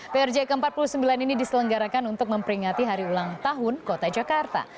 prj ke empat puluh sembilan ini diselenggarakan untuk memperingati hari ulang tahun kota jakarta